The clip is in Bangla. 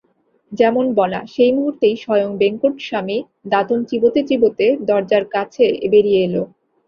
যেমন বলা, সেই মুহূর্তেই স্বয়ং বেঙ্কটস্বামী দাঁতন চিবোতে চিবোতে দরজার কাছে বেরিয়ে এল।